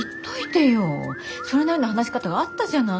それなりの話し方があったじゃない。